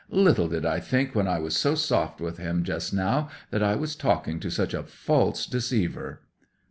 "Little did I think when I was so soft with him just now that I was talking to such a false deceiver!"